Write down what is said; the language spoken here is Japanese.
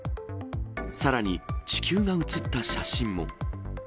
さらに地球が写った写真も。